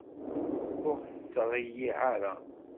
Ur ɣ-tt-ttreyyiε ara.